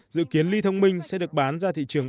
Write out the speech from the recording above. dự kiến ly thông minh sẽ được bán ra thị trường